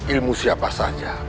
ilmu siapa saja